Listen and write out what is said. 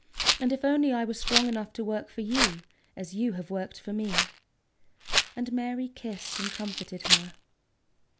And if only I were strong enough to work for you, as you have worked for me!" And Mary kissed and comforted her.